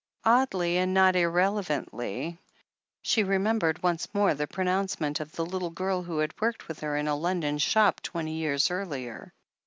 Oddly, and not irrelevantly, she remembered once more the pronouncement of the little girl who had worked with her in a London shop twenty years earlier.